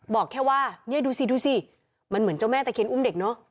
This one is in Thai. บอกแค่ว่าเนี่ยดูสิดูสิมันเหมือนเจ้าแม่ตะเคียนอุ้มเด็กเนอะ